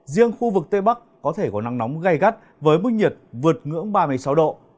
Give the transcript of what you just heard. riêng khu vực tây bắc có thể có nắng nóng gai gắt với mức nhiệt vượt ngưỡng ba mươi sáu độ